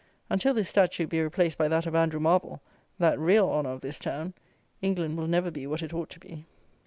Until this statue be replaced by that of Andrew Marvell, that real honour of this town, England will never be what it ought to be.